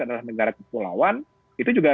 adalah negara kepulauan itu juga